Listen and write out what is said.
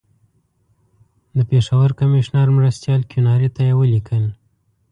د پېښور کمیشنر مرستیال کیوناري ته یې ولیکل.